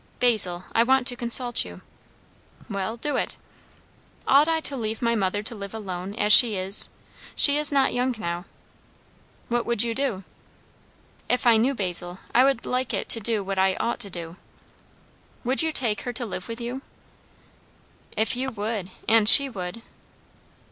"Basil I want to consult you." "Well, do it." "Ought I to leave my mother to live alone, as she is? She is not young now." "What would you do?" "If I knew, Basil, I would like it to do what I ought to do." "Would you take her to live with you?" "If you would? and she would."